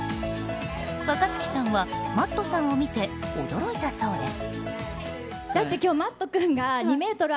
若槻さんはＭａｔｔさんを見て驚いたそうです。